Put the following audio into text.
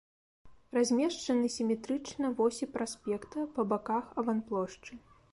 Размешчаны сіметрычна восі праспекта па баках аванплошчы.